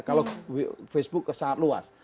kalau facebook sangat luas